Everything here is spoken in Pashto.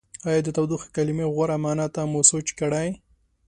ایا د تودوخې کلمې غوره معنا ته مو سوچ کړی؟